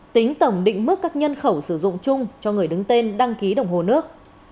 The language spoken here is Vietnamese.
tính tổng định mức các nhân khẩu sử dụng chung cho người đứng tên đăng ký đồng hồ nước